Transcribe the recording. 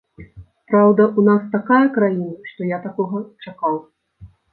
Праўда, у нас такая краіна, што я такога чакаў.